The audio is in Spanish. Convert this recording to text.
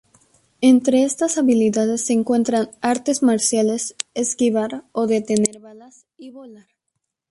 Entre estas habilidades se encuentran artes marciales, esquivar o detener balas, y volar.